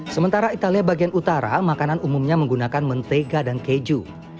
sementara italia bagian utara makanan umumnya menggunakan mentega dan keju